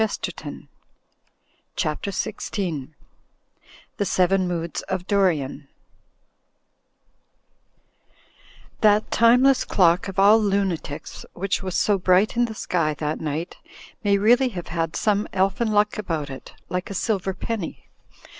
«uuy^OOgIe CHAPTER XVI THE SEVEN MOODS OF DORIAN That timeless clock of all lunatics, which was so bright in the sky that night, may really have had some elfin luck about it, like a silver penny.